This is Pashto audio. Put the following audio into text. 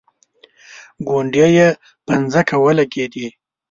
ګونډې یې په ځمکه ولګېدې.